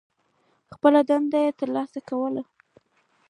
خپله دنده یې تر سرہ کوله.